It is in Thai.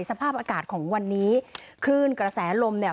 สภาพอากาศของวันนี้คลื่นกระแสลมเนี่ย